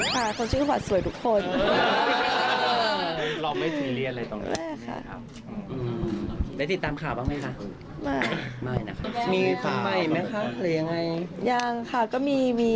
ค่ะคนชื่อขวัญสวยทุกคน